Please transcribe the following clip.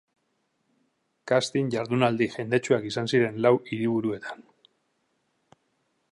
Casting jardunaldi jendetsuak izan ziren lau hiriburuetan.